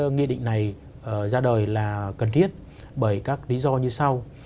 nghị định này ra đời là cần thiết bởi các lý do như sau